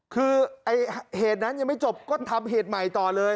คือเหตุนั้นยังไม่จบก็ทำเหตุใหม่ต่อเลย